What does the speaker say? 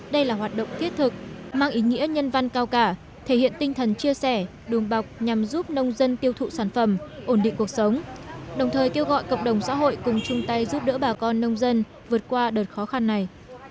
đây là hoạt động thiết thực mang ý nghĩa nhân văn cao cả thể hiện tinh thần chia sẻ đùm bọc nhằm giúp nông dân tiêu thụ sản phẩm ổn định cuộc sống đồng thời kêu gọi cộng đồng xã hội cùng chung tay giúp đỡ bà con nông dân vượt qua đợt khó khăn này